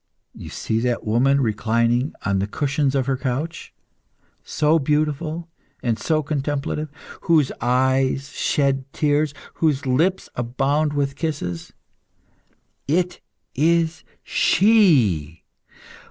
You see that woman reclining on the cushions of her couch so beautiful and so contemplative whose eyes shed tears, and whose lips abound with kisses! It is she!